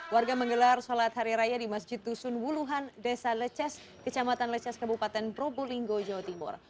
warga menggelar sholat hari raya di masjid dusun wuluhan desa leces kecamatan leces kabupaten probolinggo jawa timur